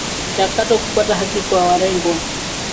mchakato kupata haki kwa walengwa